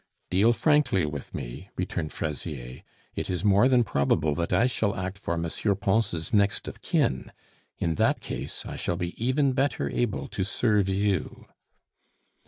"Deal frankly with me," returned Fraisier. "It is more than probable that I shall act for M. Pons' next of kin. In that case, I shall be even better able to serve you."